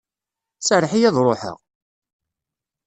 Serreḥ-iyi ad ruḥeɣ!